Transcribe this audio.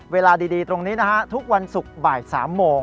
เวลาดีตรงนี้นะฮะทุกวันศุกร์บ่าย๓โมง